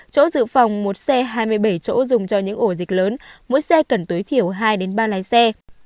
chỗ dự phòng một xe hai mươi bảy chỗ dùng cho những ổ dịch lớn mỗi xe cần tối thiểu hai ba lái xe